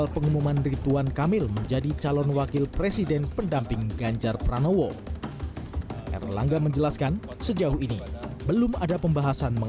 kemudian di posisi tiga ada anies basweda di dua puluh dua tiga persen